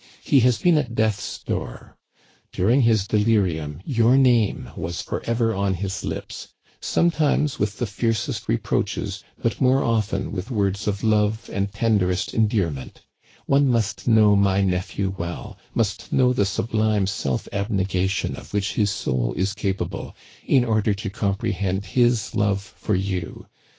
He has been at death's door. During his delir ium your name was forever on his lips, sometimes with the fiercest reproaches, but more often with words of love and tenderest endearment One must know my nephew well, must know the sublime self abnegation of which his soul is capable, in order to comprehend his love for you.